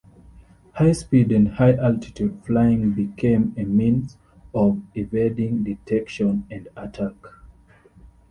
High-speed and high-altitude flying became a means of evading detection and attack.